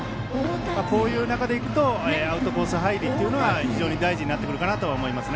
こういう中でいくとアウトコース入りというのは非常に大事になってくるかなと思います。